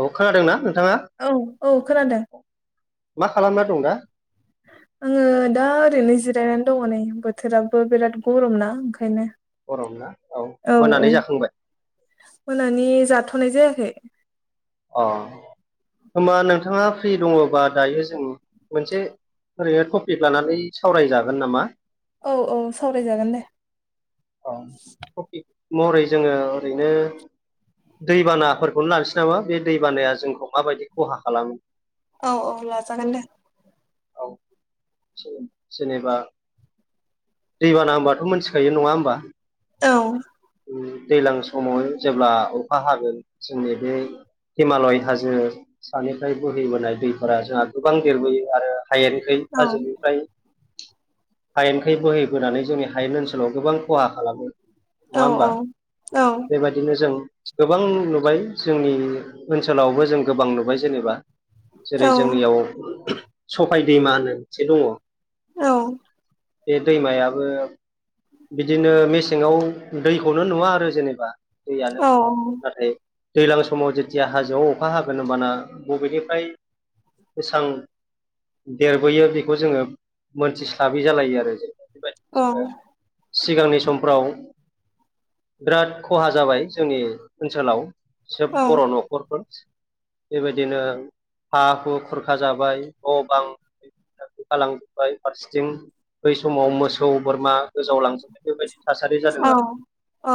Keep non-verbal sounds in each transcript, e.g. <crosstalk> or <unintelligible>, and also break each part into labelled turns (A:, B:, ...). A: औ खोनादोंना नोंथाङा
B: औ औ खोनादों।
A: मा खालामना दं दा?
B: आंङो दा ओरैनो जिरायनानै दंङो नै बोथोराबो बिराद गरम ना ओंखायनो।
A: गरम ना
B: औ औ
A: मोनानि जाखांबाय
B: मोनानि जाथ नायजायाखै
A: अ होनबा नोंथांङा फ्रि दंङोबा दायो जों मोनसे ओरैनो टपिक लानानै सावरायजागोन नामा?
B: औ औ सावरायजागोन दे।
A: औ टपिक महरै जोंङो ओरैनो दैबानाफोरखौनो लानोसै नामा? बे दैबानाया जोंखौ माबायदि खहा खालामो।
B: औ औ लाजागोन दे
A: औ जेनेबा दैबाना होनबाथ' मिथिखायो नंङा होनोमबा
B: औ
A: दैज्लां समाव जेब्ला अखा हागोन जोंनि बे हिमालय हाजो सानिफ्राय बोहैबोनाय दैफोरा जोंहा गोबां देरबोयो आरो हायओखै
B: औ
A: हाजोनिफ्राय हायेनखै बोहैबोनानै जोंनि हायेन ओनसोलाव गोबां खहा खालामो नंङा
B: औ
A: होमबा
B: औ
A: बेबायदिनो जों गोबां नुबाय जोंनि ओनसोलावबो जों गोबां नुबाय जेनेबा
B: औ
A: जेरै जोंनियाव सफाय दैमा होनो मोनसे दंङो
B: औ
A: बे दैमायाबो बिदिनो मेसेङाव दैखौनो नुवा आरो जेनेबा दैयानो
B: औ
A: गैया नाथाय दैलां समाव जेथिया हाजोआव अखा हागोन होमबाना बबेनिफ्राय गोसां देरबोयो बेखौ जोङो मोनथिस्लाबै जालायो आरो बेबायदिनो
B: अ
A: जोङो सिगांनि समफ्राव बिराद खहा जाबाय जोंनि ओनसोलाव सोब
B: औ
A: बर' न'खरफोर बेबायदिनो हा हु खरखा जाबाय न' बां गालांजोबबाय फारसेथिं बै समाव मोसौ बोरमा गोजावलांजोबनाय बेबायदि थासारि जादों आरो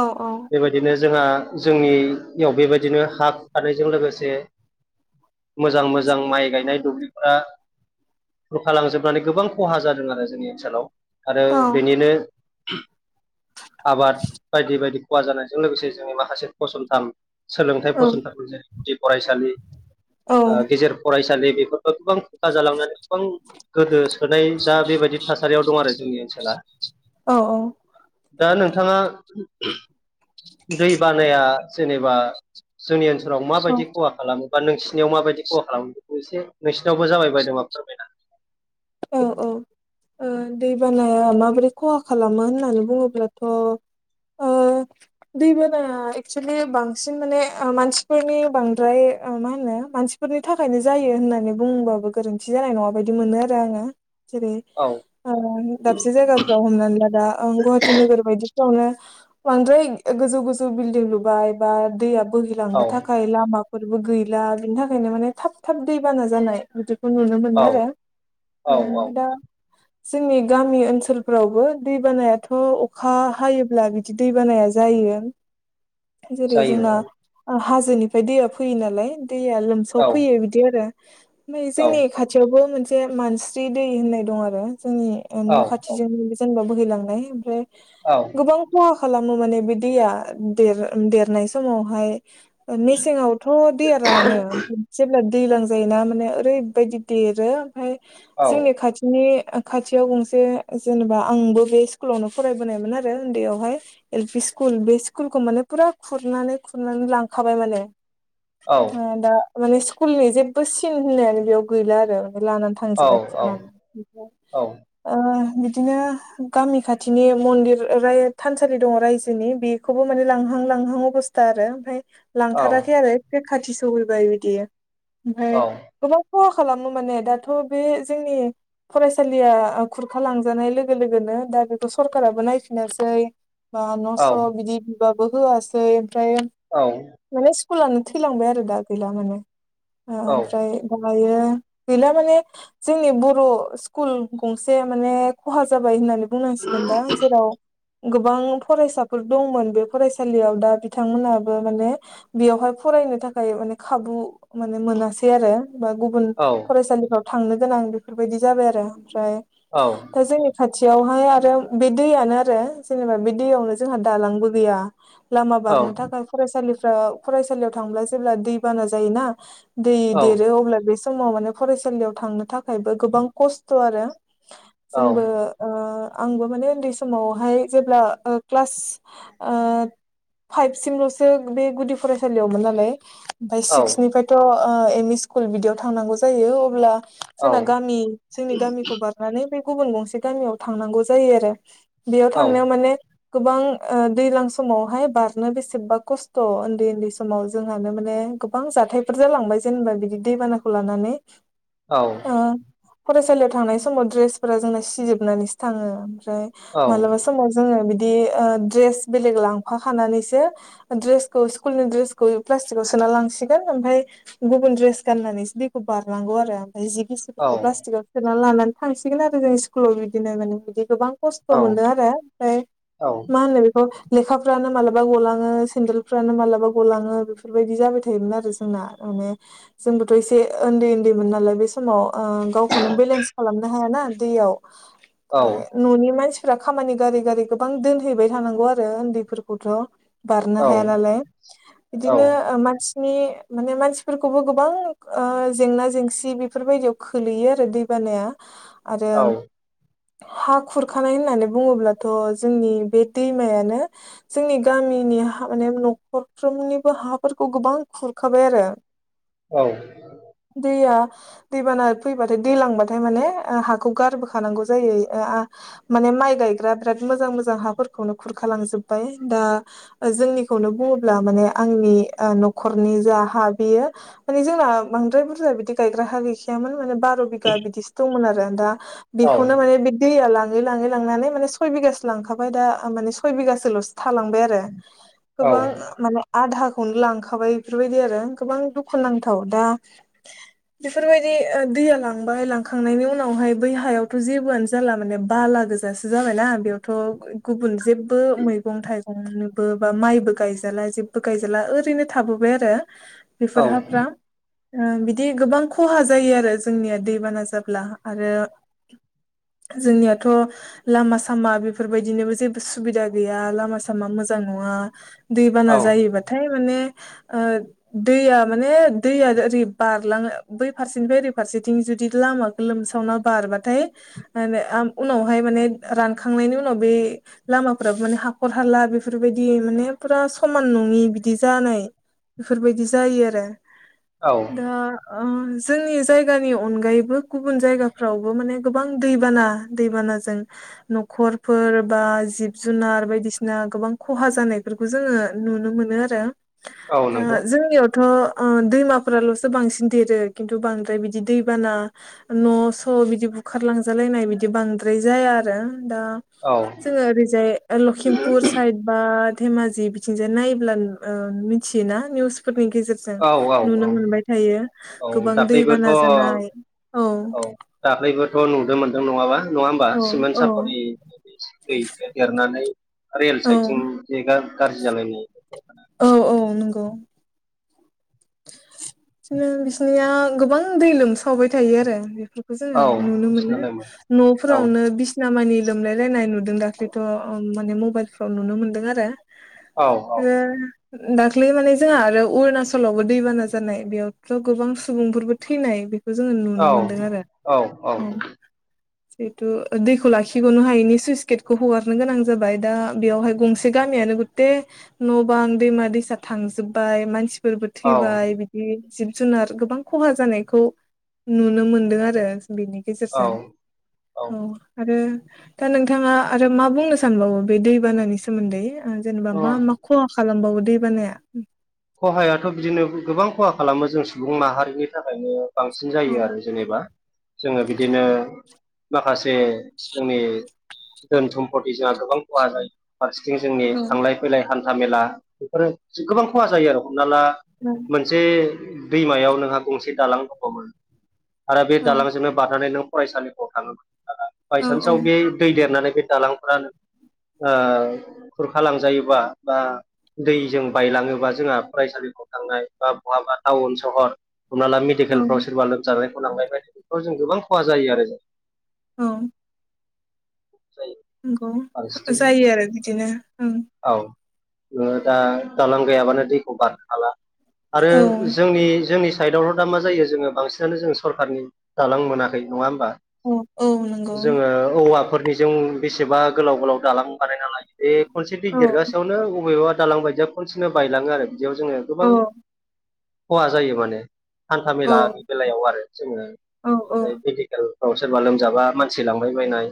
B: औ औ
A: बेबायदिनो जोंहा जोंनियाव बेबायदिनो हा खु खारनायजों लोगोसे मोजां मोजां माइ गायनाय दुब्लिफोरा खुरखा लांजोबनानै गोबां खहा जादों आरो जोंनि ओनसोलाव आरो
B: औ
A: बेनिनो आबाद बायदि बायदि खहा जानायजों लोगोसे जोंनि माखासे फसंथान सोलोंथाइ फसंथानफोर जायो फरायसालि गेजेर फरायसालि बेफोरफोरखौ गोबां खथ जालांनानै गोबां गोदो सोनाय दा बेबायदि थासारियाव दं आरो जोंनि ओनसोला
B: औ
A: जानो नोंथाङा दै बानाया जेनेबा जोंनि ओनसो आव
B: औ
A: माबायदि खहा खालामो बा नोंसिनियाव माबायदि खहा खालामो बेखौ एसे नोंसिनावबो जाबाय बाय नामा फोरमायना
B: औ औ ओ दै बानाया माबोरै खहा खालामो होननानै बुङोब्लाथ' ओ दैबाना एक्सुेलि बांसिन माने मानसिफोरनि बांद्राय ओ मा होनो मानसिफोरनि थाखायनो जायो होननानै बुंबाबो गोरोन्थि जानाय नङा बायदि मोनो आरो <unintelligible> जेरै
A: औ
B: दाबसे जायगाफ्राव हमनानै ला दा गुवाहाटि नोगोर बायदिफ्रावनो बांद्राय गोजौ गोजौ बिल्डिं लुबाय बा दैया
A: औ
B: बोहैलांनो थाखाय लामा बबो गैला बिनि थाखायनो माने थाब थाब दैबाना जानाय बिदिखौ नुनो
A: औ
B: मोनो आरो औ आदा
A: <inaudible>
B: जोंनि गामि ओनसोलफोरावबो दैबानायाथ' अखा हायोब्ला बिदि दैबानाया जायो
A: <inaudible> जायो
B: जेरै-जोंना हाजोनिफ्राय दैया फैयो नालाय दैया
A: औ
B: लोमसाव फैयो बिदि आरो ओमफ्राय जोंनि खाथियावबो मोनसे मानस्रि दै होननाय दं आरो जोंनि
A: औ
B: न' खाथिजोंनो जेनेबा बोहैलांनाय ओमफ्राय
A: औ
B: गोबां फहा खालामो माने बिदिया देर देरनाय समावहाय मेसेङावथ' दैयानो लानो जेब्ला दैजलां जायोना माने ओरैबायदि देरो ओमफ्राय
A: औ
B: जोंनि खाथिनि खाथियाव गंसे जेनेबा आंबो बे स्कुलावनो फरायबोनायमोन आरो उन्दैयावहाय एल पि स्कुल बे स्कुलखौ माने फुरा खुरनानै खुरनानै लांखाबाय माने
A: औ
B: ओ दा माने स्कुलनि जेबो सिन होननायानो बेयाव गैला आरो। लानानै
A: औ
B: थांजोबबाय
A: औ
B: खुरनानै ओ
A: औ
B: बिदिनो गामि खाथिनि मन्दिर राय थानसालि दङ रायजोनि बेखौबो माने लां हां लांहां अबस्था आरो ओमफ्राय लांथाराखै आरो ए खाथि सहैबाय बिदि ओमफाय
A: औ
B: गोबां खहा खालाम माने दाथ' बे जोंनि फरायसालिया खुरखा लांजानाय लोगो लोगोनो दा बेखौ सरकारा बो नायफिनोसै। बा
A: औ
B: न' स'
A: औ औ
B: बिदि बिबाबो होआसै ओमफ्राय
A: औ
B: माने स्कुलानो थैलांबाय आरो दा गैला माने
A: औ
B: ओमफ्राय ओ दायो गैला माने जोंनि बर' स्कुल गंसे माने खहा जाबाय होननानै बुंनांसिगोन दा जेराव गोबां फरायसाफोर दंमोन बे फरायसालियाव दा बिथांमोनाबो माने बेयावहाय फरायनो थाखाय माने खाबु माने मोनासै आरो बा गुबुन
A: औ
B: आव थांनो गोनां बेफोरबायदि जाबाय आरो ओमफ्राय दा जोंनि खा थियावहाय आरो बे दैयानो आरो जेनेबा बे दैयावनो जोंहा दालांबो गैया। लामा बारनो थाखाय फरायसालिफ्रा फरायसालियाव थांब्ला जेब्ला दै बाना जायोना दै देरो अब्ला बे समाव माने फरायसालियाव थांनो थाखायबो गोबां कस्त' आरो। जोंबो ओ आंबो माने उन्दै समावहाय जेब्ला ओ क्लास ओ फाइभ सिमल'सो बे गुदि फरायसालियावमोन नालाय ओमफ्राय six निफ्रायथ' O M E school बिदियाव थांनांगौ जायो अब्ला जोंना गामि जोंनि गामिखौ बारनानै बे गुबुन गंसे गामियाव थांनांगौ जायो आरो। बेयाव थांनायाव माने गोबां ओ दैलां समावहाय बारनो बेसेबा कस्त' उन्दै उन्दै समाव जोंहानो माने गोबां जाथायफोर जालांबाय जेनेबा बिदि दैबानाखौ लानानै।
A: औ।
B: ओ फरायसालियाव थांनाय समाव दड्रेसफोरा जोंना सिजोबनानैसो थाङो। ओमफ्राय मालाबा समाव जोङो बि दि ओ‌ द्रेस बेलेग लांफाखानानैसो द्रेसखौ स्कुलनि द्रेसखौ प्लास्टिकआव सोना लांसिगोन ओमफ्राय गुबुन द्रेस गाननानैसो दैखौ बारनांगौ आरो ओमफ्राय जि गिसिफोरखौ प्लास्टिकआव सो ना लानानै थांसिगोन आरो जों स्कुलाव बिदिनो माने बिदि गोबां खस्थ' मोनदों आरो ओमफ्राय मा होनो बेखौ लेखाफ्रानो मालाबा गलाङो सेन्देलफ्रानो मालाबा गलाङो बेफोरबायदि जाबाय थायोमोन आरो जोंना माने जोंबोथ' एसे ओन्दै ओन्दैमोन नालाय बे समाव ओ गावखौनो बेलेन्स खालामनो हायाना दैयाव फ्राय ननि मनसि फोरा खामानि गारै गारै गोबां दोनहैबाय थानांगौ आरो ओन्दैफोरखौथ'। बारनो हाया नालाय बिदिनो ओ मानसिनि माने मानसिफोरखौबो गोबां ओ जेंना जेंसि बेफोरबायदियाव खोलैयो आरो दैबानाया। आरो
A: औ
B: हा खुरखानाय होननानै बुङोब्लाथ' जोंनि बे दैमायानो जोंनि गामिनि माने हा नख'रफ्रोमनिबो हाफोरखौ गोबां खुरखाबाय आरो।
A: औ औ
B: दैया दैबाना फैबाथाय दैलांबाथाय माने हाखौ गारबोखानांगौ जायो ओ माने माइ गायग्रा बिराद मोजां मोजां हाफोरखौनो खुरखालांजोबबाय दा जोंनि खौनो बुङोब्ला माने आंनि ओ नख'रनि जा हा बियो माने जोंना बांद्राय बुरजा बिदि गायग्रा हा गैखायामोन माने बार' बिगा बिदिसो दंमोन आरो दा
A: औ
B: बेखौनो माने बि दैया लां ङै-लाङै लांनानै माने सय बिगासो लांखाबाय दा माने सय बिगाासोल'सो थालांबाय आरो गोबां माने आधाखौनो लांखाबाय बेफोरबायदि आरो गोबां दुखु नांथाव दा बेफोरबायदि दैया लांबाय लांखांनायनि उनावहाय बै हायावथ' जेबोआनो जाला माने बाला गोजासो जाबायना बेयावथ' गुबुन जेबो मैगं थाइगं नोबो बा माइबो गायजाला जेबबो गायजाला ओरैनो थाबोबाय आरो
A: औ।
B: उ बिदि गोबां खहा जायो आरो जोंनिया दैबाना जाब्ला आरो जोंनियाथ' लामा सामा बेफोरबायदिनोबो जेबो सुबिदा गैया लामा सामा मोजां नङा दै
A: औ
B: बाना जथाय माने ओ दैया माने दैया ओरै बारलाङो बै फारसेनिफ्राय ओरै फारसेथिं जुदि लामाखौ लोमसावना बारो ब्लाथाय आ बे आ उनावहाय माने रानखांनायनि उनाव बे लामाफोरावबो माने हाखर हाला बेफोरबायदि माने फुरा समान नङि बिदि जानाय बेफोरबायदि जायो आ रो
A: औ
B: दा उम जोंनि जायगानि अनगायैबो गुबुन जायगाफ्रावबो माने गोबां दैबाना दैबाना जों न'खरफोर बा जिब जुनार बायदिसिना गोबां खहा जानायफोरखौ जोङो नुनो मोनो आरो
A: औ
B: ओ
A: नंगौ
B: जोंनियाव थ' ओ दैमाफोराल'सो बांसिन देरो खिन्थु बांद्राय बिदि दैबाना न' स' बिदि बुखार लांजालायनाय बिदि बांद्राय जाया आरो दा
A: औ
B: जोङो ओरैजाय लखिमपुर साइद बा धेमाजि बिथिंजाय नायोब्ल ओ मिथियोना निउसफोरनि गेजेरजों
A: औ औ
B: नुनो
A: औ
B: मोनबाय थायो
A: औ
B: गोबां
A: दाख्लैबोथ'
B: दैबाना जानाय औ
A: दाख्लैबो थ' नुदों मोनदों नङाबा नङा होमबा
B: औ
A: सिमेन्ट
B: औ
A: सापरि <unintelligible> देरनानै रेल
B: औ
A: साइथिं जेगा गाज्रि जालायनाय।
B: औ औ नंगौ। बिसनो बिसिनिया गोबां दै लोमसावबाय थायो आरो बेफोरखौ जोङो
A: औ
B: नुनो
A: बिसिना
B: मोनो।
A: लायमोन औ
B: न'फोरावनो बिसि नामानि लोमलायलायनाय नुदों दाख्ललिथ' ओ माने मबाइलफ्राव नुनो मोनदों आरो
A: औ
B: <unintelligible> दाख्लि माने जोंहा आरो अरुणाचलावबो दैबाना जानाय बेयावथ' गोबां सुबुंफोरबो थैनाय बे खो जोङो
A: औ
B: नुनो मोनदों आरो
A: औ
B: औ। जिहेथु दैखौ लाखिगनो हायैनि सुइस गेटखौ हगारनो गोनां जाबाय दा बेयावहाय गंसे गामिया नों गते न' गोबां दैमा दैसा थांजोबबाय मानसिफोरबो थैबाय बिदि जिब जुनार गोबां खहा जानायखौ नुनो मोनदो आरो बेनि
A: औ
B: गेजेरजों औ आरो दा नोंथाङा आरो मा बुंनो सानबावो? बे दैबानानि सोमोन्दै जेनेबा
A: अ
B: मा मा ख हा खालामबावो दैे बानाया।
A: खहायाथ' बिदिनो गोबां खहा खालामो जों सुबुं माहारिनि थाखायनो बांसिन
B: औ
A: जायो आरो जेनेबा जोङो बिदिनो माखा से जोंनि धोन सम्पति जोंहा गोबां खहा जायो। फारसेथिं जोंनि
B: औ
A: थांलाय फैलाय हान्था मेला बेफोरो गोबां खहा जायो आरो हमना ला मोनसे दैमायाव नोंहा गंसे दालां दङमोन। आरो बे
B: औ
A: दालांजोंनो बारनानै नों फरायसालिफ्राव थाङो मोन।
B: औ
A: बायसान्सआव बे दै देरनानै बे दालांफोरानो ओ खुरखा लांजायोबा बा दैजों बायलाङो बा जोंहा फरायसालिफ्राव थांनाय बा बहाबा टाउन सहर हमना ला
B: औ
A: मेडिकेलफ्राव सोरबा लोमजाबाय लांलाबाय हजों गोबां खहा जायो आरो जों
B: औ।
A: जायो
B: नंगौ
A: फारसेथिं
B: जायो आरो बिदिनो। ओं
A: औ नोङो दा दालां गैयाबानो दैखौ बारनो हाला आरो
B: औ
A: जोंनि जोंनि साइदावल' दा मा जायो जोङो बांसिनानो जों सरखारनि दालां मोनाखै नङा होमबा?
B: औ औ नंगौ
A: जोङो औवाफोरनिजों बेसेबा गोलाव गोलाव दालां बानायना लायो। बे खनसे दै
B: औ
A: देरगासेयावनो अबेबा दालां बायदिया खनसेनो बायलाङो आरो। बेयाव जोङो गोबां
B: औ
A: खहा जायो माने हान्था
B: औ
A: मेलानि बेलायाव आरो जोङो ओमफ्राय मेडिकेल आव सोरबा लोमजाबा मानसि लांबाय बायनाय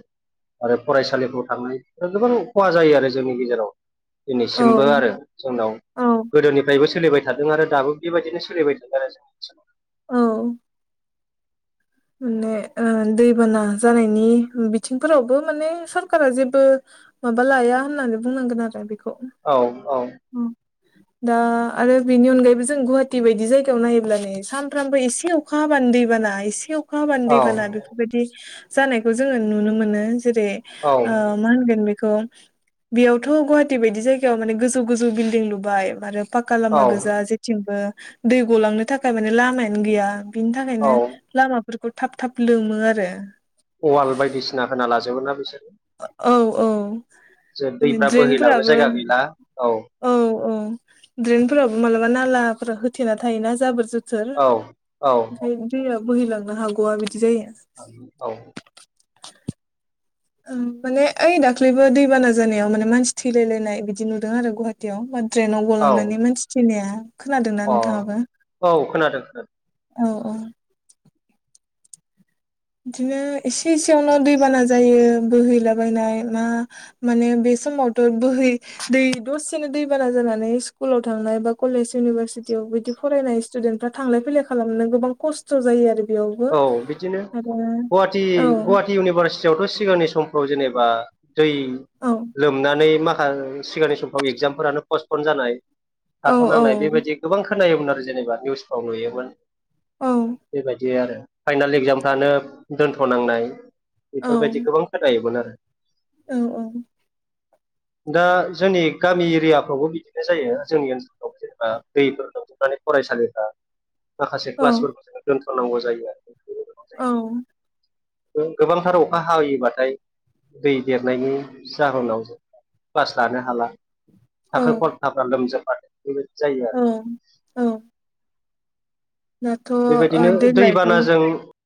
A: आरो फरायसालिफ्राव थांनाय गोबां खहा जायो आरो। जोंनि गेजेराव
B: औ
A: दिनैसिमबो आरो जोंनाव
B: औ
A: गोदोनिफ्रायबो सोलिबाय थादों आरो दाबो बेबायदिनो सोलिबाय थादों आरो जोंनि ओनसोलाव
B: औ। माने ओ दैबाना जानायनि बिथिंफोरावबो माने सरखारा जेबो माबा लाया होननानै बुंनांगोन आरो बेखौ
A: औ औ।
B: दा आरो बेनि अनगायैबो जों गुवाहाटि बायदि जायगायाव नायोब्ला नै सानफ्रामबो एसे अखा हाबा नो दै बाना एसे अखा हाबा
A: औ
B: दैबाना बेफोरबायदि जानायखौ जोङो नुनो मोनो। जेरै
A: औ
B: आ मा होनगोन बेखौ खौ बेयावथ' गुवाहाटि बायदि जायगायाव माने गोजौ गोजौ बिल्डिं लुबाय आरो फाक्का
A: औ
B: लामा गोजा जेथिंबो दै गलांनो थाखाय माने लामायानो गैया। बिनि
A: औ
B: थाखायनो लामाफोरखौ थाब थाब लोमो आरो।
A: अवाल बायदिसिना होना लाजोबो ना बिसोर।
B: औ औ।
A: जे दैफ्रा बोहैलांनो जायगा गैला, औ।
B: ओम ड्रेनफोरावबो मालाबा नालाफोरा होथेना थायोना जाबोर जोथो थोर,
A: औ औ
B: ओमफ्राय दैया बोहैलांनो हागौआ बे
A: औ।
B: ओ माने ओइ दाख्लैबो दैबाना जानायाव माने मानसि थैलायलायनाय बिदि नुदों आरो गुवाहाटियाव द्रेनाव
A: औ
B: गलांनानै मानसि थैनाया। खोनादोंना
A: अ
B: नोंथाङाबो
A: औ खोनादों।
B: औ औ। बिदिनो एसे एसेयावनो दैबाना जायो बोहैलाबायनाय ना माने बे समावथ' बोहै दै दसेनो दैबाना जानानै स्कुलाव थांनाय बा कलेज इउनिभारसिटियाव बिदि फरायनाय स्टुदेनफोरा थांलाय फैलाय खालामनो गोबां खस्थ' जायो आरो बेयावबो आरो
A: गवाटि
B: औ
A: गवाटी इउनिभारसिटियावथ' सिगांनि समफ्राव जेनेबा दै
B: औ
A: लोमनानै माखा सिगांनि समफ्राव एगजामफोरानो पस्टपन जानाय
B: औ
A: थाथ'नांनाय बेबायदि गोबां खोनायोमोन आरो जेनेबा निउसफ्राव नुयोमोन।
B: औ
A: बेबायदि आरो फाइनाल एक्जामफ्रानो दोनथ'नांनाय
B: औ
A: बेफोरबायदि गोबां खोथायोमोन आरो।
B: औ औ।
A: दा जोंनि गामि एरियाफ्रावबो बिदिनो जायो जोंनि ओनसोलफ्रावबो जेनबा दैफोर लोमजोबनानै फरायसालिफ्रा माखासे
B: औ
A: क्लासफोरखौ जोङो दोनथ' नांगौ जायो आरो बे
B: औ।
A: गो-गोबांथार अखा हायोबाथाय दै देरनायनि जाहोनाव क्लास लानो हाला थाखो
B: औ
A: खन्थाफ्रा लोमजोबबाय बेबादि जायो आरो।
B: औ औ दाथ' ओ
A: बेबायदिनो
B: देग्लायथ'
A: दैबानाजों